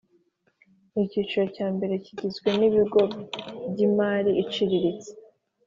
Icyiciro cya mbere kigizwe n ibigo by imari iciriritse